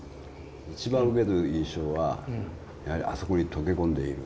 一番受ける印象はやはりあそこに溶け込んでいる。